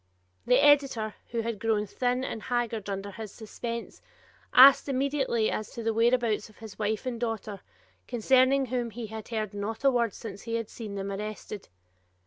The editor, who had grown thin and haggard under his suspense, asked immediately as to the whereabouts of his wife and daughter, concerning whom he had heard not a word since he had seen them arrested.